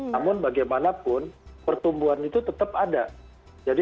namun bagaimanapun pertumbuhan itu tetap ada